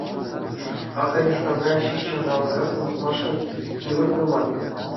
Афганистанра ҫут ҫанталӑка хӑнӑхмашкӑн йывӑр пулман.